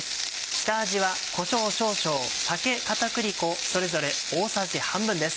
下味はこしょう少々酒片栗粉それぞれ大さじ半分です。